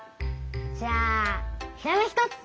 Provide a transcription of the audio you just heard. じゃあヒラメ１つ！